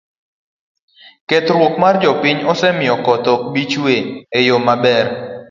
kethruok mar piny osemiyo koth ok bi chue e yo maber.